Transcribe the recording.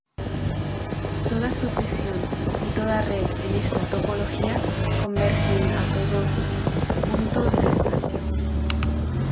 Toda sucesión y toda red en esta topología convergen a todo punto del espacio.